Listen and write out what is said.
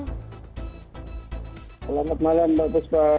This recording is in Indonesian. selamat malam mbak busba